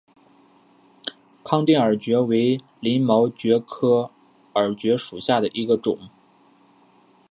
康定耳蕨为鳞毛蕨科耳蕨属下的一个种。